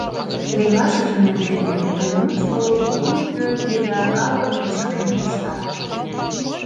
Эрлашыжым эрдене урем мучко лувуй пӧрт еда калыкым кычкырен куржталын.